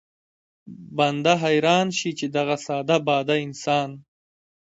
بنده حيران شي چې دغه ساده باده انسان